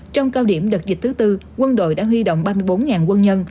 trong cao điểm đợt dịch thứ tư quân đội đã huy động ba mươi bốn quân nhân